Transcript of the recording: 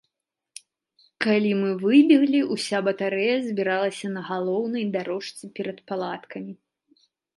Калі мы выбеглі, уся батарэя збіралася на галоўнай дарожцы перад палаткамі.